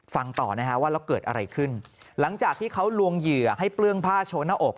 ฟังต่อนะฮะว่าแล้วเกิดอะไรขึ้นหลังจากที่เขาลวงเหยื่อให้เปลื้องผ้าโชว์หน้าอก